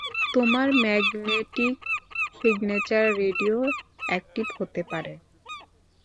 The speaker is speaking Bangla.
তোমার ম্যাগনেটিক সিগনেচার রেডিওএক্টিভ হতে পারে।